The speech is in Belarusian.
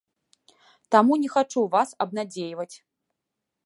Таму не хачу вас абнадзейваць.